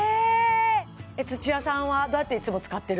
土屋さんはどうやっていつも使ってる？